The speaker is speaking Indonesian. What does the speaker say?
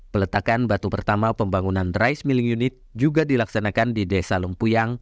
peletakan batu pertama pembangunan rice milling unit juga dilaksanakan di desa lumpuyang